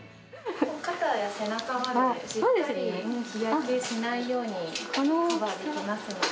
肩や背中まで、しっかり、日焼けしないようにカバーできますので。